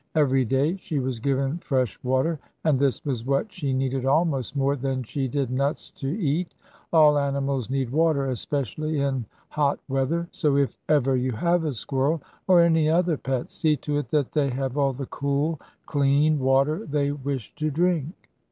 Every day she was given fresh water, and this was what she needed almost more than she did nuts to eat. All animals need water, especially in hot weather, so if ever you have a squirrel, or any other pets, see to it that they have all the cool, clean water they wish to drink.